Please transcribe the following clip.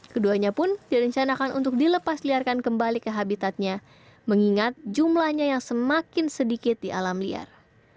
keduanya pun direncanakan untuk dilepas liarkan kembali ke habitatnya mengingat jumlahnya yang semakin sedikit di alam liar